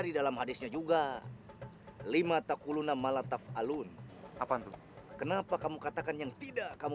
di dalam haditsnya juga lima takulunam malataf alun apa itu kenapa kamu katakan yang tidak kamu